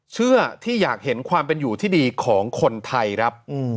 เชื่อที่อยากเห็นความเป็นอยู่ที่ดีของคนไทยครับ